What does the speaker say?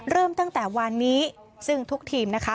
เริ่มตั้งแต่วันนี้ซึ่งทุกทีมนะคะ